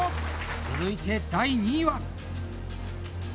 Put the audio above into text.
続いて、第２位は！？